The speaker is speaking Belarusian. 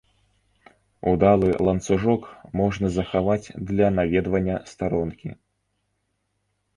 Удалы ланцужок можна захаваць для наведвання старонкі.